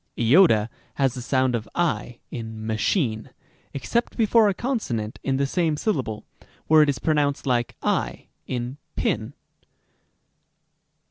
Rem.g. «has the sound of ὁ in machine, except before a conso nant in the same syllable, where it is pronounced like ¢ in pin.